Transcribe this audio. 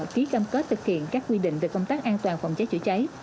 ký cam kết thực hiện các quy định về công tác an toàn phòng cháy chữa cháy